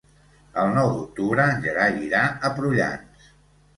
El nou d'octubre en Gerai irà a Prullans.